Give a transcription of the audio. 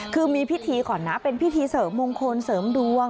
คือมีพิธีก่อนนะเป็นพิธีเสริมมงคลเสริมดวง